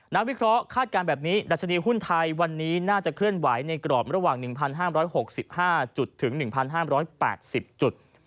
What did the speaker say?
วิเคราะห์คาดการณ์แบบนี้ดัชนีหุ้นไทยวันนี้น่าจะเคลื่อนไหวในกรอบระหว่าง๑๕๖๕จุดถึง๑๕๑๕๘๐จุด